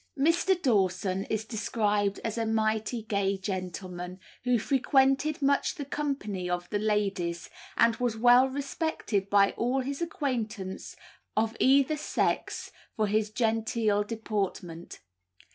Mr. Dawson is described as "a mighty gay gentleman, who frequented much the company of the ladies, and was well respected by all his acquaintance of either sex for his genteel deportment.